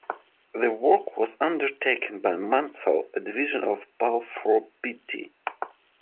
The work was undertaken by Mansell, a division of Balfour Beatty.